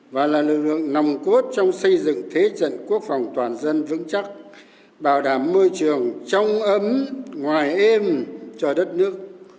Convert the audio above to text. và là lực lượng nòng cốt trong xây dựng thế trận quốc phòng toàn dân vững chắc bảo đảm môi trường trong ấm ngoài êm cho đất nước